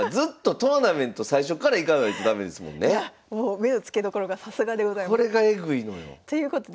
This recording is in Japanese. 目の付けどころがさすがでございます。